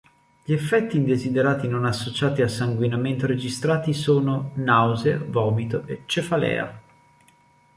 Gli effetti indesiderati non associati a sanguinamento registrati sono: nausea, vomito e cefalea.